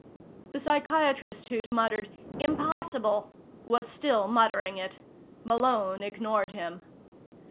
The psychiatrist who'd muttered: "Impossible," was still muttering it. Malone ignored him.